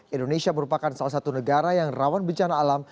indonesia merupakan salah satu negara yang rawan bencana alam